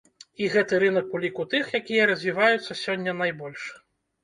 І гэты рынак у ліку тых, якія развіваюцца сёння найбольш.